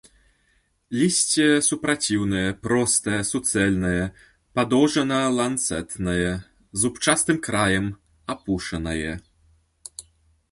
Лісце супраціўнае, простае, суцэльнае, падоўжана-ланцэтнае, з зубчастым краем, апушанае.